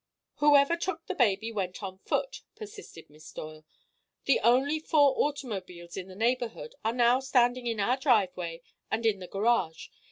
"Whoever took baby went on foot," persisted Miss Doyle. "The only four automobiles in the neighborhood are now standing in our driveway and in the garage.